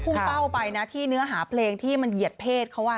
เป้าไปนะที่เนื้อหาเพลงที่มันเหยียดเพศเขา